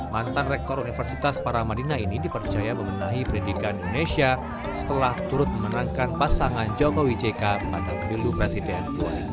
mantan rektor universitas paramadina ini dipercaya memenahi pendidikan indonesia setelah turut memenangkan pasangan jokowi jk pada pemilu presiden dua ribu sembilan belas